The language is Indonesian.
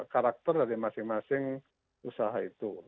karakter dari masing masing usaha itu